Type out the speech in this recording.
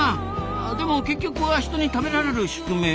でも結局は人に食べられる宿命なんですよね？